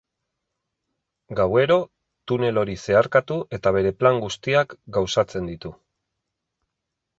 Gauero, tunel hori zeharkatu eta bere plan guztiak gauzatzen ditu.